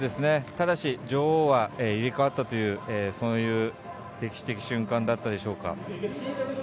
ただし、女王は入れ代わったというそういう歴史的瞬間だったでしょうか。